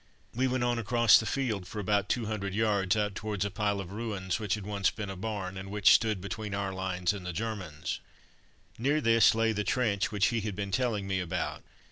We went on across the field for about two hundred yards, out towards a pile of ruins which had once been a barn, and which stood between our lines and the Germans. Near this lay the trench which he had been telling me about.